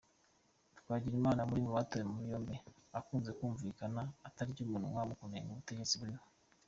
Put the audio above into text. Twagirimana uri mu batawe muri yombi akunze kumvikana atarya umunwa mu kunenga ubutegetsi buriho.